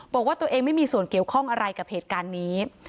บอกว่าตัวเองไม่มีส่วนเกี่ยวข้องอะไรกับเหตุการณ์นี้